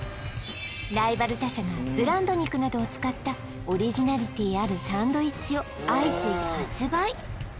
ライバル他社がブランド肉などを使ったオリジナリティあるサンドイッチを相次いで発売